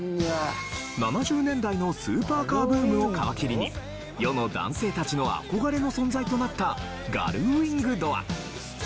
７０年代のスーパーカーブームを皮切りに世の男性たちの憧れの存在となったガルウィングドア。